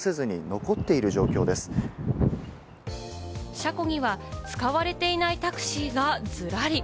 車庫には使われていないタクシーがズラリ。